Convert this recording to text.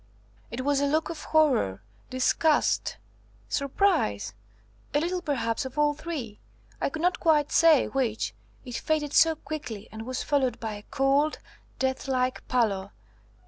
"It was a look of horror, disgust, surprise, a little perhaps of all three; I could not quite say which, it faded so quickly and was followed by a cold, deathlike pallor.